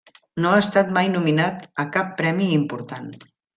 No ha estat mai nominat a cap premi important.